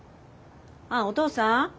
あお父さん？